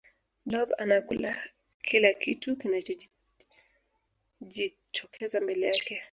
blob anakula kila kitu kinachojitokeza mbele yake